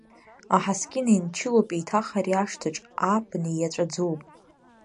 Аҳаскьын еинчылоуп еиҭах, ари ашҭаҿ, ааԥын ииаҵәаӡоуп.